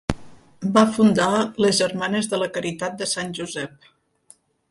Va fundar les Germanes de la Caritat de Sant Josep.